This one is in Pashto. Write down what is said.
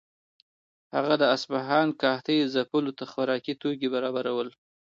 هغه د اصفهان قحطۍ ځپلو ته خوراکي توکي برابر کړل.